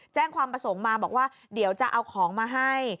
แจ้งความประสงค์มาบอกว่าเดี๋ยวจะเอาของมาให้